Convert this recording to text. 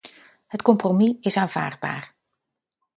Het compromis is aanvaardbaar.